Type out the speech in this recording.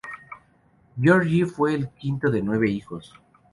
Grigori fue el quinto de nueve hijos.